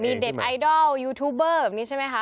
มีเด็ดไอดอลยูทูบเบอร์แบบนี้ใช่ไหมคะ